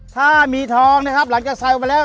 ถ้ามีทองหลังจากใส่ออกไปแล้ว